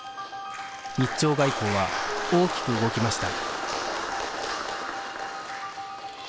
日朝外交は大きく動きました